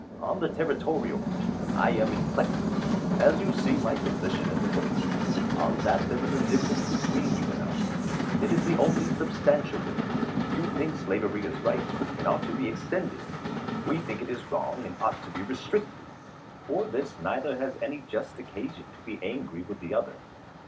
On the Territorial question I am inflexible, as you see my position in the book. On that there is a difference between you and us ; and it is the only substantial differ ence. You think slavery is right and ought to be ex tended ; we think it is wrong and ought to be restricted. For this neither has any just occasion to be angry with the other.